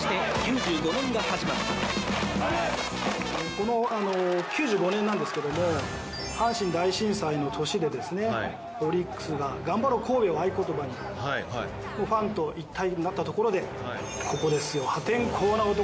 この９５年なんですけども阪神大震災の年でですねオリックスががんばろうＫＯＢＥを合言葉にファンと一体になったところでここですよ破天荒な男